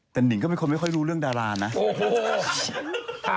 พี่หนิงมาบ่อยนะคะชอบเห็นมั้ยดูมีสาระหน่อย